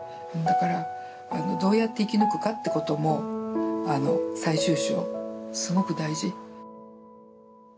だから、どうやって生き抜くかってことも最終章、すごく大事。